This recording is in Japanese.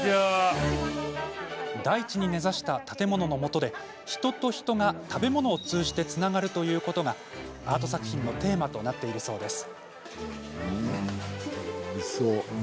大地に根ざした建物の下で人と人が食べ物を通じてつながるということがアート作品のテーマとなっているそうです。